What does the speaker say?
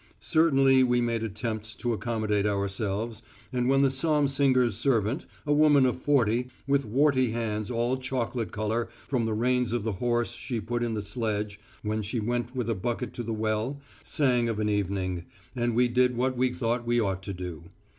Certainly we made attempts to accommodate ourselves, and when the psalm singer's servant, a woman of forty, with warty hands all chocolate colour from the reins of the horse she put in the sledge when she went with a bucket to the well, sang of an evening, we did what we thought we ought to do.